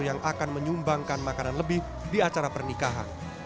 yang akan menyumbangkan makanan lebih di acara pernikahan